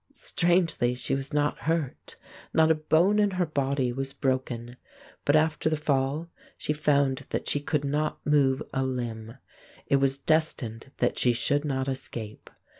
Strangely, she was not hurt, not a bone in her body was broken, but after the fall she found that she could not move a limb. It was destined that she should not escape.